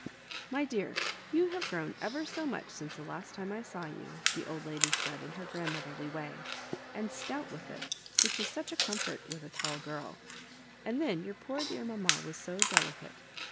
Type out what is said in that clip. "My dear, you Have grown ever so much since the last tune I saw you," the old lady said in her grandmotherly way, '* and* stout with it, which is such a com fort with a tall girl ; and then your poor dear mamma was so delicate.